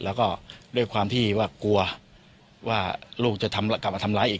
แล้วก็ด้วยความที่ว่ากลัวว่าลูกจะกลับมาทำร้ายอีก